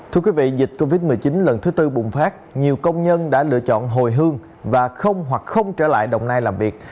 thưa quý vị dịch covid một mươi chín lần thứ tư bùng phát nhiều công nhân đã lựa chọn hồi hương và không hoặc không trở lại đồng nai làm việc